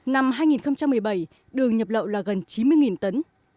năm hai nghìn một mươi bảy đường nhập lậu là gần chín mươi tấn